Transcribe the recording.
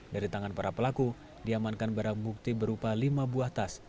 dari tangan para pelaku diamankan barang bukti berupa lima buah tas